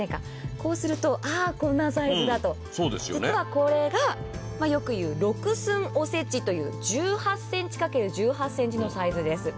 こうすると、ああこんなサイズだと実はこれがよく言う６寸おせちという、１８ｃｍ×１８ｃｍのサイズです。